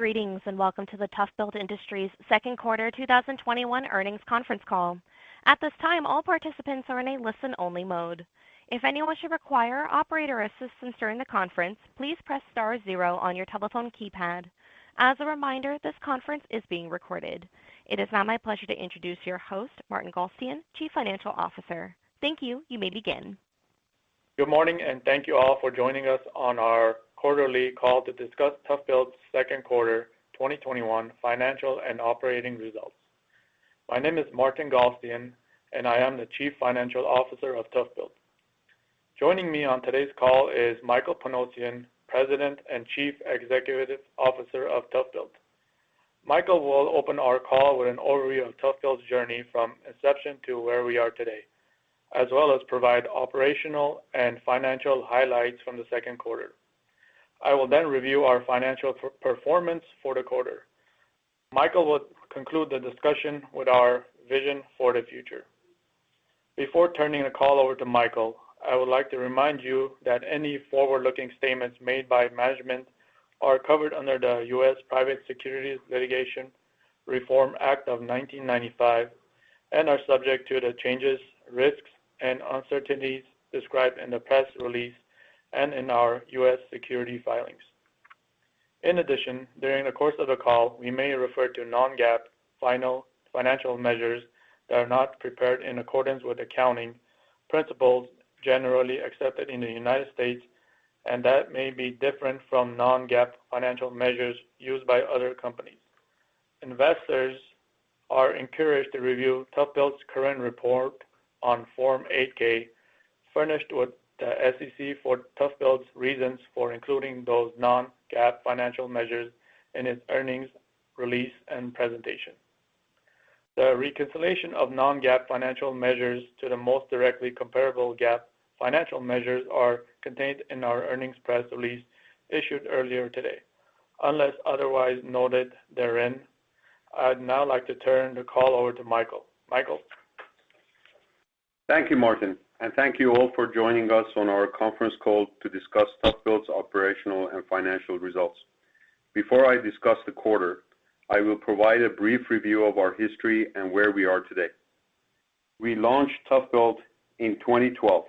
Greetings, and welcome to the ToughBuilt Industries Second Quarter 2021 Earnings Conference Call. At this time, all participants are in a listen-only mode. If anyone should require operator assistance during the conference, please press star zero on your telephone keypad. As a reminder, this conference is being recorded. It is now my pleasure to introduce your host, Martin Galstyan, Chief Financial Officer. Thank you. You may begin. Good morning. Thank you all for joining us on our quarterly call to discuss ToughBuilt's Second Quarter 2021 Financial and Operating Results. My name is Martin Galstyan, and I am the Chief Financial Officer of ToughBuilt. Joining me on today's call is Michael Panosian, President and Chief Executive Officer of ToughBuilt. Michael will open our call with an overview of ToughBuilt's journey from inception to where we are today, as well as provide operational and financial highlights from the second quarter. I will then review our financial performance for the quarter. Michael will conclude the discussion with our vision for the future. Before turning the call over to Michael, I would like to remind you that any forward-looking statements made by management are covered under the U.S. Private Securities Litigation Reform Act of 1995 and are subject to the changes, risks, and uncertainties described in the press release and in our U.S. security filings. In addition, during the course of the call, we may refer to non-GAAP financial measures that are not prepared in accordance with accounting principles generally accepted in the United States and that may be different from non-GAAP financial measures used by other companies. Investors are encouraged to review ToughBuilt's current report on Form 8-K furnished with the SEC for ToughBuilt's reasons for including those non-GAAP financial measures in its earnings release and presentation. The reconciliation of non-GAAP financial measures to the most directly comparable GAAP financial measures are contained in our earnings press release issued earlier today, unless otherwise noted therein. I'd now like to turn the call over to Michael. Michael? Thank you, Martin, and thank you all for joining us on our conference call to discuss ToughBuilt's operational and financial results. Before I discuss the quarter, I will provide a brief review of our history and where we are today. We launched ToughBuilt in 2012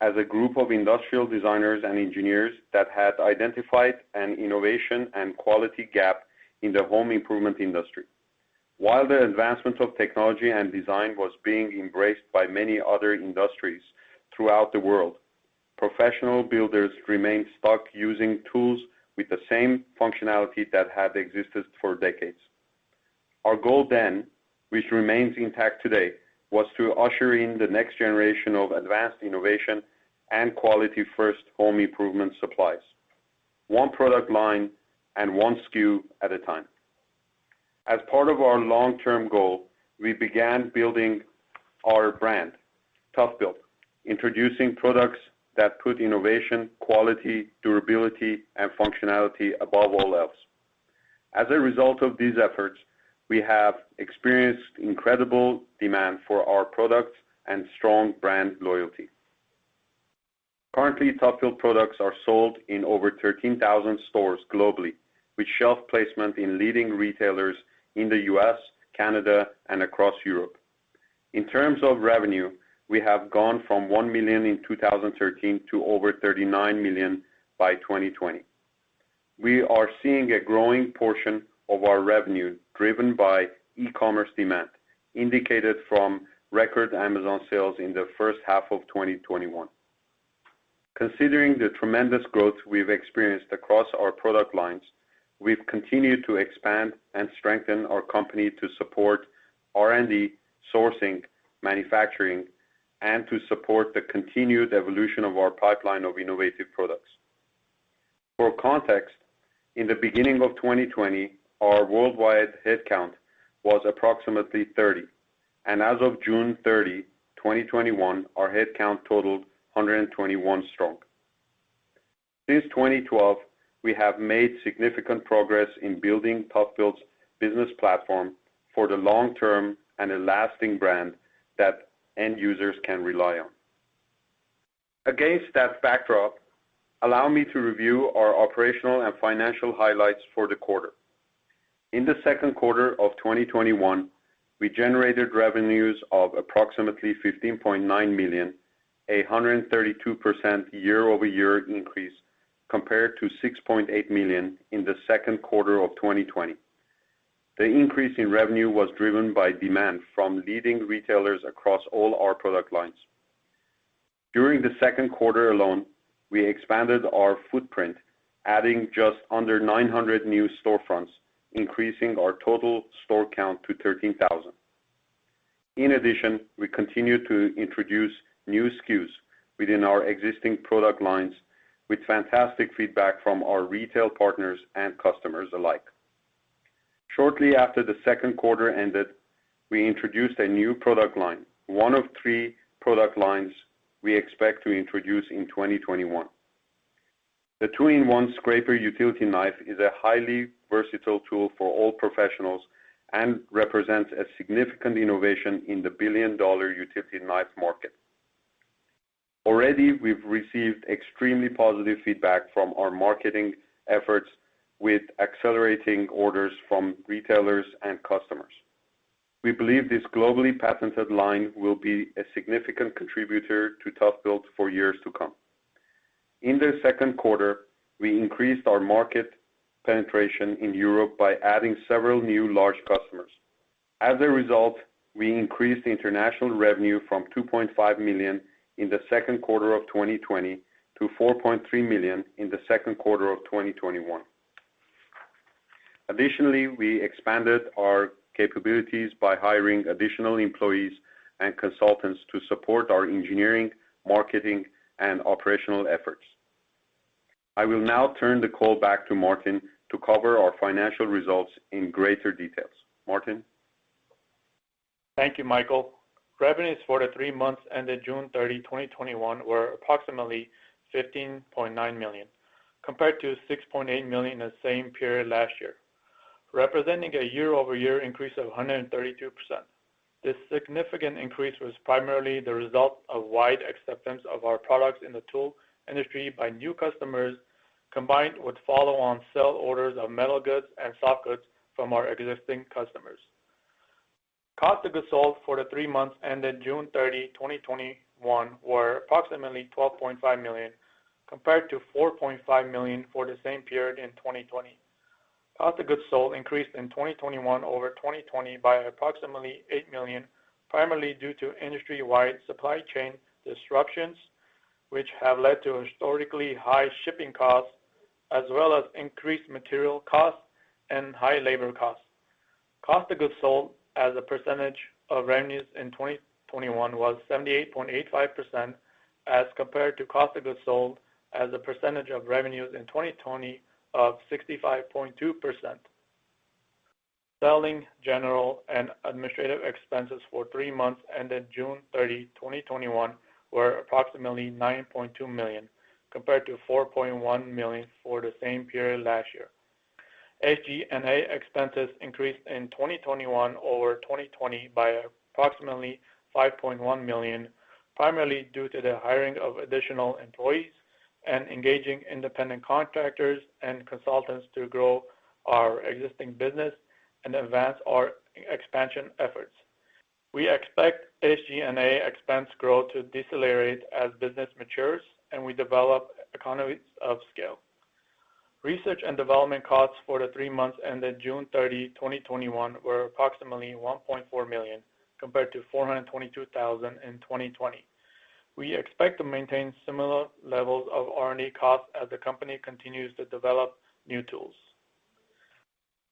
as a group of industrial designers and engineers that had identified an innovation and quality gap in the home improvement industry. While the advancement of technology and design was being embraced by many other industries throughout the world, professional builders remained stuck using tools with the same functionality that had existed for decades. Our goal then, which remains intact today, was to usher in the next generation of advanced innovation and quality-first home improvement supplies, 1 product line and 1 SKU at a time. As part of our long-term goal, we began building our brand, ToughBuilt, introducing products that put innovation, quality, durability, and functionality above all else. As a result of these efforts, we have experienced incredible demand for our products and strong brand loyalty. Currently, ToughBuilt products are sold in over 13,000 stores globally, with shelf placement in leading retailers in the U.S., Canada, and across Europe. In terms of revenue, we have gone from $1 million in 2013 to over $39 million by 2020. We are seeing a growing portion of our revenue driven by e-commerce demand, indicated from record Amazon sales in the first half of 2021. Considering the tremendous growth we've experienced across our product lines, we've continued to expand and strengthen our company to support R&D, sourcing, manufacturing, and to support the continued evolution of our pipeline of innovative products. For context, in the beginning of 2020, our worldwide headcount was approximately 30, and as of June 30, 2021, our headcount totaled 121 strong. Since 2012, we have made significant progress in building ToughBuilt's business platform for the long-term and a lasting brand that end users can rely on. Against that backdrop, allow me to review our operational and financial highlights for the quarter. In the second quarter of 2021, we generated revenues of approximately $15.9 million, a 132% year-over-year increase compared to $6.8 million in the second quarter of 2020. The increase in revenue was driven by demand from leading retailers across all our product lines. During the second quarter alone, we expanded our footprint, adding just under 900 new storefronts, increasing our total store count to 13,000. In addition, we continued to introduce new SKUs within our existing product lines with fantastic feedback from our retail partners and customers alike. Shortly after the second quarter ended, we introduced a new product line, one of three product lines we expect to introduce in 2021. The two-in-one scraper utility knife is a highly versatile tool for all professionals and represents a significant innovation in the billion-dollar utility knife market. Already, we've received extremely positive feedback from our marketing efforts with accelerating orders from retailers and customers. We believe this globally patented line will be a significant contributor to ToughBuilt for years to come. In the second quarter, we increased our market penetration in Europe by adding several new large customers. As a result, we increased international revenue from $2.5 million in the second quarter of 2020 to $4.3 million in the second quarter of 2021. Additionally, we expanded our capabilities by hiring additional employees and consultants to support our engineering, marketing, and operational efforts. I will now turn the call back to Martin to cover our financial results in greater details. Martin? Thank you, Michael. Revenues for the three months ended June 30, 2021, were approximately $15.9 million, compared to $6.8 million in the same period last year, representing a year-over-year increase of 132%. This significant increase was primarily the result of wide acceptance of our products in the tool industry by new customers, combined with follow-on sale orders of metal goods and soft goods from our existing customers. Cost of goods sold for the three months ended June 30, 2021, were approximately $12.5 million, compared to $4.5 million for the same period in 2020. Cost of goods sold increased in 2021 over 2020 by approximately $8 million, primarily due to industry-wide supply chain disruptions, which have led to historically high shipping costs as well as increased material costs and high labor costs. Cost of goods sold as a percentage of revenues in 2021 was 78.85%, as compared to cost of goods sold as a percentage of revenues in 2020 of 65.2%. Selling, general, and administrative expenses for three months ended June 30, 2021, were approximately $9.2 million, compared to $4.1 million for the same period last year. SG&A expenses increased in 2021 over 2020 by approximately $5.1 million, primarily due to the hiring of additional employees and engaging independent contractors and consultants to grow our existing business and advance our expansion efforts. We expect SG&A expense growth to decelerate as business matures and we develop economies of scale. Research and development costs for the three months ended June 30, 2021, were approximately $1.4 million, compared to $422,000 in 2020. We expect to maintain similar levels of R&D costs as the company continues to develop new tools.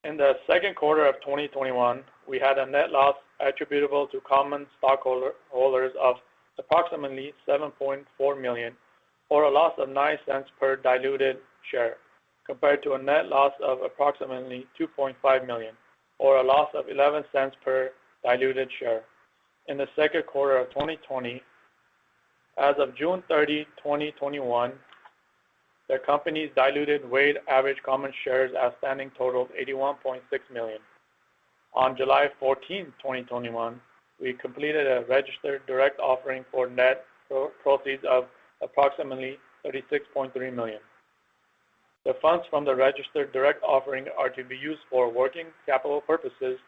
In the second quarter of 2021, we had a net loss attributable to common stockholders of approximately $7.4 million, or a loss of $0.09 per diluted share, compared to a net loss of approximately $2.5 million, or a loss of $0.11 per diluted share in the second quarter of 2020. As of June 30, 2021, the company's diluted weighted average common shares outstanding totaled 81.6 million. On July 14, 2021, we completed a registered direct offering for net proceeds of approximately $36.3 million. The funds from the registered direct offering are to be used for working capital purposes,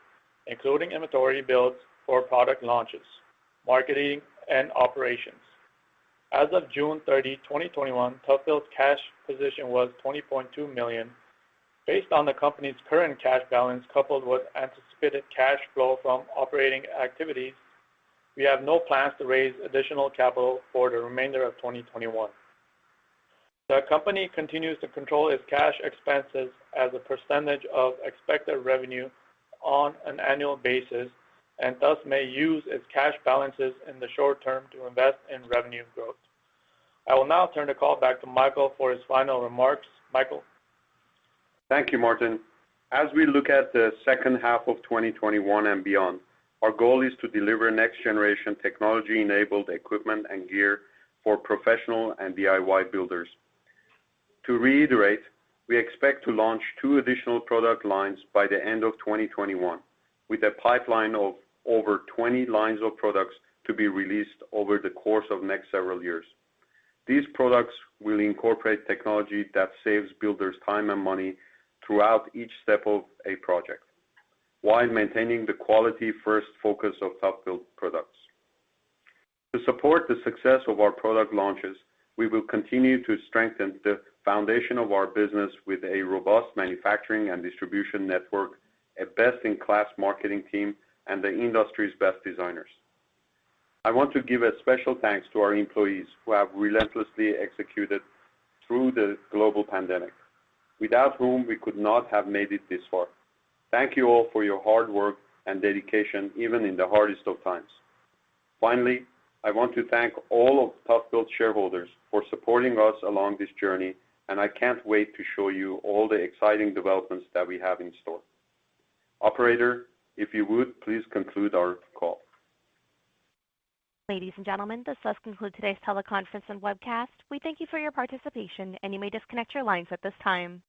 including inventory builds for product launches, marketing, and operations. As of June 30, 2021, ToughBuilt's cash position was $20.2 million. Based on the company's current cash balance coupled with anticipated cash flow from operating activities, we have no plans to raise additional capital for the remainder of 2021. The company continues to control its cash expenses as a percentage of expected revenue on an annual basis and thus may use its cash balances in the short term to invest in revenue growth. I will now turn the call back to Michael for his final remarks. Michael? Thank you, Martin. As we look at the second half of 2021 and beyond, our goal is to deliver next-generation technology-enabled equipment and gear for professional and DIY builders. To reiterate, we expect to launch two additional product lines by the end of 2021, with a pipeline of over 20 lines of products to be released over the course of next several years. These products will incorporate technology that saves builders time and money throughout each step of a project while maintaining the quality-first focus of ToughBuilt products. To support the success of our product launches, we will continue to strengthen the foundation of our business with a robust manufacturing and distribution network, a best-in-class marketing team, and the industry's best designers. I want to give a special thanks to our employees who have relentlessly executed through the global pandemic, without whom we could not have made it this far. Thank you all for your hard work and dedication, even in the hardest of times. I want to thank all of ToughBuilt's shareholders for supporting us along this journey, and I can't wait to show you all the exciting developments that we have in store. Operator, if you would, please conclude our call. Ladies and gentlemen, this does conclude today's teleconference and webcast. We thank you for your participation, and you may disconnect your lines at this time.